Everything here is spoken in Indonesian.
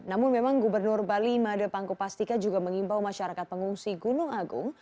namun memang gubernur bali made pangku pastika juga mengimbau masyarakat pengungsi gunung agung